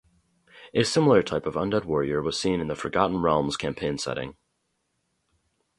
A similar type of undead warrior was seen in the "Forgotten Realms" campaign setting.